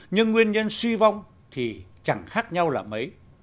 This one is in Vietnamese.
nhưng nguyên nhân suy vong thì chẳng khác nhau là mấy